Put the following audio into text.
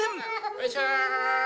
よいしょ！